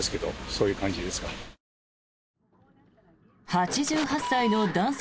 ８８歳の男性